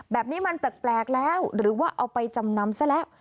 แบบนี้มันแปลกแล้วหรือว่าเอาไปจำนำซะแล้ว